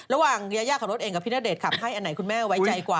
ยายาขับรถเองกับพี่ณเดชนขับให้อันไหนคุณแม่ไว้ใจกว่า